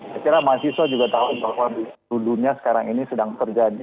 saya kira mahasiswa juga tahu bahwa di dunia sekarang ini sedang terjadi